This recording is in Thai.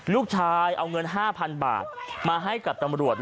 ลูกชายเอาเงิน๕๐๐๐บาทมาให้กับตำรวจ